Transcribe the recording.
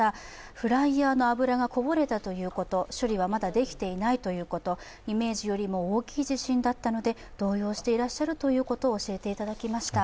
フライヤーの油がこぼれたということ、処理はまだできていないということ、イメージよりも大きい地震だったので動揺してらっしゃるということをお教えいただきました。